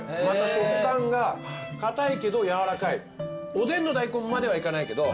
おでんの大根まではいかないけど。